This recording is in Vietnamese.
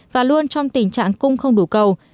và luôn trong tình trạng cung không đủ cầu